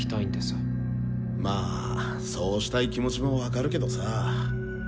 まあそうしたい気持ちも分かるけどさぁ。